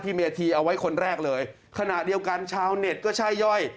เมธีเอาไว้คนแรกเลยขณะเดียวกันชาวเน็ตก็ช่าย่อย